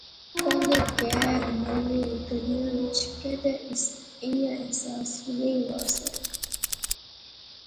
پہلے کہر، محلے، گلیا وچ کیدے اس ایہہ احساس نہسا وہا